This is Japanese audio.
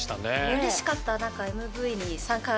うれしかった。